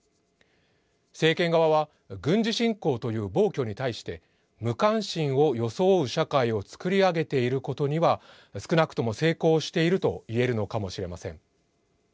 政権側は軍事侵攻という暴挙に対して無関心を装う社会を作り上げていることには少なくとも成功していると言えるのかもしれません。